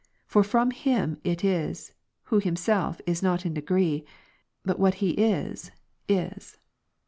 For from Him it is, who Himself Is not in degree, but what He Is, Is.